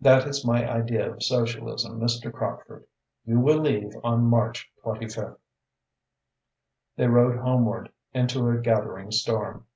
That is my idea of socialism, Mr. Crockford. You will leave on March 25th." They rode homeward into a gathering storm.